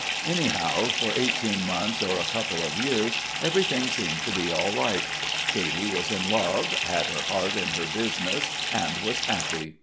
Anyhow for eighteen months or a couple of years everything seemed to be all right. Katy was in love, had her heart in her business and was happy.